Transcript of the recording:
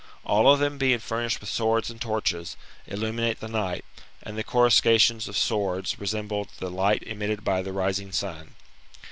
All of them being furnished with swords and torches, illuminate the night ; and the coruscations of swords resembled the light emitted by the rising sun.